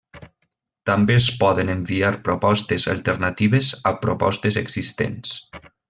També es poden enviar propostes alternatives a propostes existents.